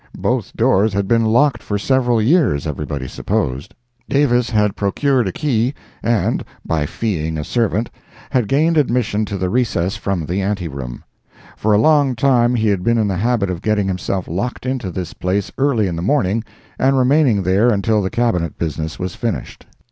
Both doors had been locked for several years, everybody supposed. Davis had procured a key, and, by feeing a servant, had gained admission to the recess from the ante room. For a long time he had been in the habit of getting himself locked into this place early in the morning, and remaining there until the Cabinet business was finished.